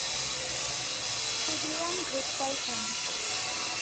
ক্ষুদিরাম গ্রেপ্তার হন।